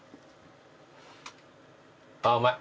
あうまい。